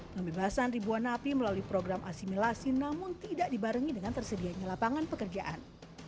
pembebasan ribuan napi melalui program asimilasi namun tidak dibarengi dengan tersedianya lapangan pekerjaan